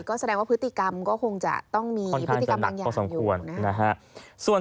ก็แสดงว่าพฤติกรรมก็คงจะต้องมีพฤติกรรมบางอย่างอยู่นะฮะ